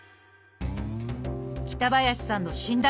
北林さんの診断